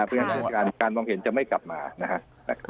เพราะฉะนั้นการมองเห็นจะไม่กลับมานะครับ